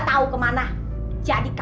terima kasih tuhan